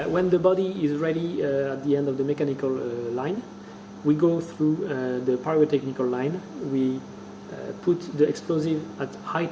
ketika tubuhnya siap di akhir jalan mekanik kita melalui jalan pariweteknik kita menempatkan eksplosif di suhu tinggi